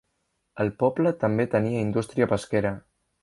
El poble també tenia indústria pesquera.